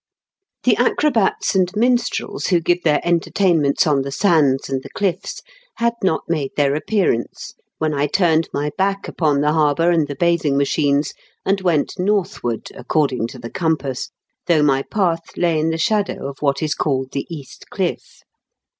The acrobats and minstrels who give their entertainments on the sands and the cliffs had not made their appearance when I turned my back upon the harbour and the bathing machines, and went northward, according to the compass, though my path lay in the shadow of what is called the East Cliff.